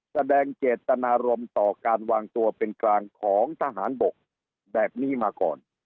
แสดงเจตนารมณ์ต่อการวางตัวเป็นกลางของทหารบกแบบนี้มาก่อน